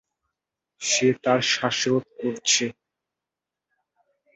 সে তার শ্বাসরোধ করছে।